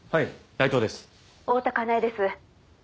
「大多香苗です」